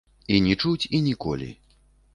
І нічуць, і ніколі.